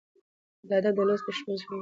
'د ادب د لوست ښځمن ليدلورى